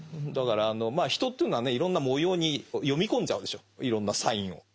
だから人というのはねいろんな模様に読み込んじゃうでしょいろんなサインを。